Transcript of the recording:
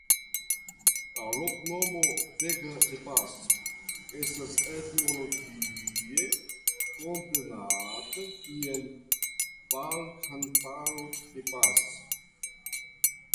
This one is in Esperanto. La loknomo "Vega de Pas" estas etimologie komprenebla kiel "Valkamparo de Pas".